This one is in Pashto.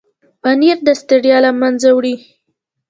پنېر د ستړیا له منځه وړي.